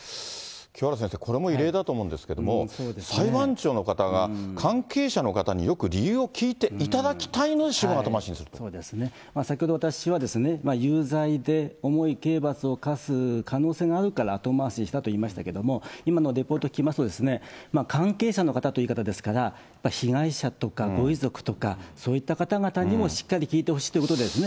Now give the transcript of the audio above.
清原先生、これも異例だと思うんですけれども、裁判長の方が、関係者の方によく理由を聞いていただきたいので主文後回しにする先ほど私は、有罪で重い刑罰を科す可能性があるから後回しにしたと言いましたけれども、今のレポート聞きますけれども、関係者の方という言い方ですから、被害者とかご遺族とか、そういった方々にもしっかり聞いてほしいということですね。